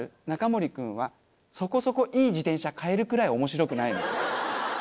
ナカモリ君はそこそこいい自転車買えるくらい面白くないの。